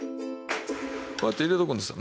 こうやって入れておくんですよ。